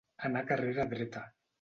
Anar carrera dreta.